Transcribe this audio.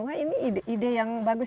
wah ini ide yang bagus